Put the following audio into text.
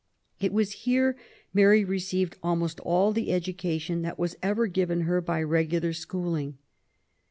It was here Mary received almost all the education that was ever given her by regular schooling.